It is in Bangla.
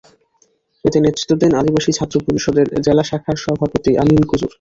এতে নেতৃত্ব দেন আদিবাসী ছাত্র পরিষদের জেলা শাখার সভাপতি আমিন কুজুর।